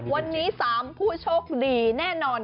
วันนี้๓ผู้โชคดีแน่นอน